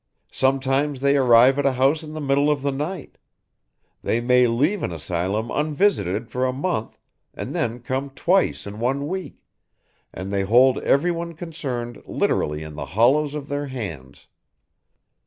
Sometimes they arrive at a house in the middle of the night; they may leave an asylum unvisited for a month and then come twice in one week, and they hold everyone concerned literally in the hollows of their hands.